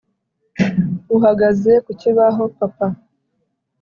uhagaze ku kibaho, papa,